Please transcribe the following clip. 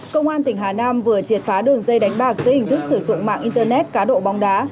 công an tỉnh hà nam vừa triệt phá đường dây đánh bạc dưới hình thức sử dụng mạng internet cá độ bóng đá